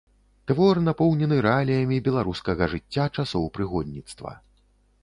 Твор напоўнены рэаліямі беларускага жыцця часоў прыгонніцтва.